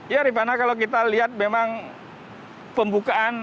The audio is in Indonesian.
ya rifana kalau kita lihat memang pembukaan